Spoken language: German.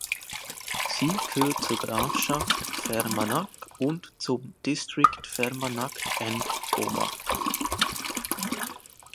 Sie gehört zur Grafschaft Fermanagh und zum District Fermanagh and Omagh.